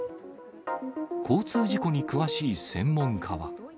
交通事故に詳しい専門家は。